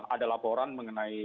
ada laporan mengenai